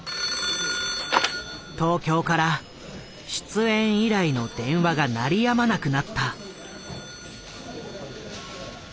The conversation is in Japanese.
東京から出演依頼の電話が鳴りやまなくなった。